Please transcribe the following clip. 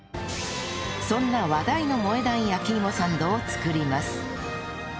そんな話題の萌え断焼き芋サンドを作ります